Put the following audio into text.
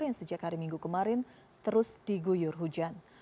yang sejak hari minggu kemarin terus diguyur hujan